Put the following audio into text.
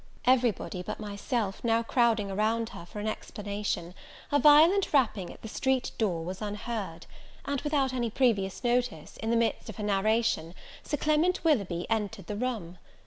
Everybody, but myself, now crowding around her for an explanation, a violent rapping at the street door was unheard; and, without any previous notice, in the midst of her narration, Sir Clement Willoughby entered the room.